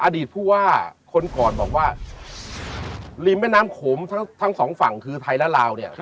อดีตผู้ว่าคนก่อนบอกว่าริมแม่น้ำโขมทั้งสองฝั่งคือไทยและลาวเนี่ย